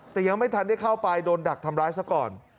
แต่ยังไม่ทันได้เข้าไปโดนดักทำร้ายซะก่อน